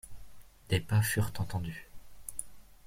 Des pas furent entendus.